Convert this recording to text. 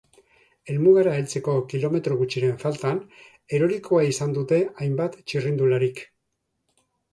Helmugara heltzeko kilometro gutxiren faltan erorikoa izan dute hainbat txirrindularik.